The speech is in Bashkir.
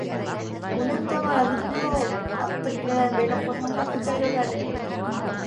Үлән тамыры ныҡ була ул, атты биленән бәйләп ҡуйһаң да күтәрер әле.